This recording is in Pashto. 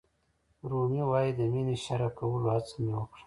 رومي وایي د مینې شرحه کولو هڅه مې وکړه.